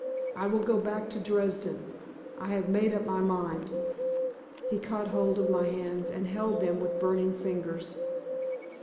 I will go back to Dresden. I have made up my mind." He caught hold of my hands and held them with burning fingers.